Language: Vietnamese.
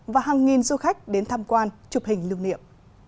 và hàng nghìn du khách đến tham quan chụp hình lưu niệm